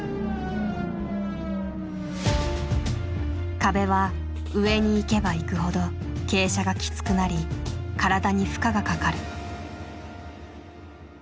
壁は上に行けば行くほど傾斜がきつくなり体に負荷がかかる。